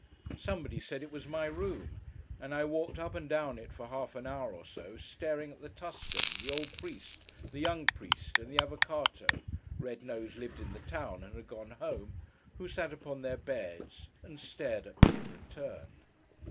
Somebody said it was my room; and I walked up and down it, for half an hour or so, staring at the Tuscan, the old priest, the young priest, and the Avvocáto (Red Nose lived in the town, and had gone home), who sat upon their beds, and stared at me in return.